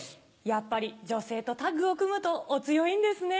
やっぱり女性とタッグを組むとお強いんですね。